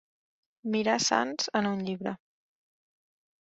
Mirar sants en un llibre.